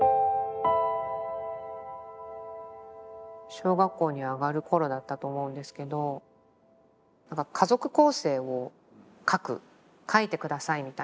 小学校に上がる頃だったと思うんですけど書いて下さいみたいな。